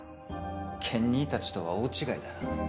健兄たちとは大違いだな